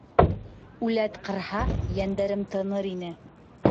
Үләт ҡырһа, йәндәрем тыныр ине!